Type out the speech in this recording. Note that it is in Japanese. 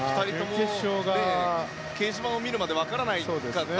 掲示板見るまで分からなかった。